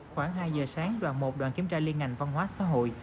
khoảng hai giờ sáng đoàn một đoàn kiểm tra liên ngành văn hóa xã hội